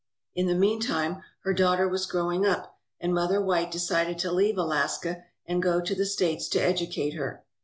In the meantime, her daughter was growing up and Mother White decided to leave Alaska and go to the States to educate her.